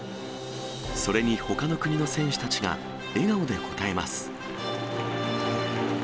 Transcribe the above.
それにほかの国の選手たちが笑顔で応えます。